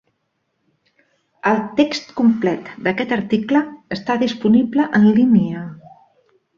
El text complet d'aquest article està disponible en línia.